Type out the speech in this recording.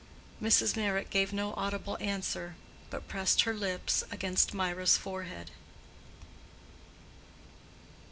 Mrs. Meyrick gave no audible answer, but pressed her lips against Mirah's forehead.